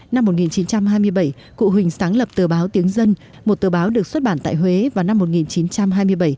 năm một nghìn chín trăm hai mươi bảy cụ huỳnh sáng lập tờ báo tiếng dân một tờ báo được xuất bản tại huế vào năm một nghìn chín trăm hai mươi bảy